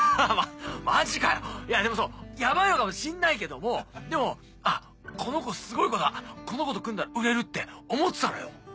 マジかでもそうヤバいのかもしんないけどもでも「あっこの子すごい子だこの子と組んだら売れる」って思ってたのよ。